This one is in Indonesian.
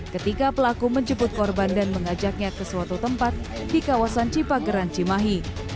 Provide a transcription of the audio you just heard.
ketika pelaku menjemput korban dan mengajaknya ke suatu tempat di kawasan cipageran cimahi